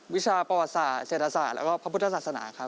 วิชาประวัติศาสตร์ศรียาสรรษะและของพระพุทธศาสนาครับ